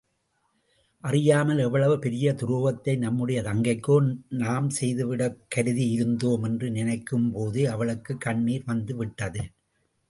அறியாமல் எவ்வளவு பெரிய துரோகத்தை நம்முடைய தங்கைக்கே நாம் செய்துவிடக் கருதியிருந்தோம் என்று நினைக்கும்போதே அவளுக்குக் கண்ணீர் வந்துவிட்டது.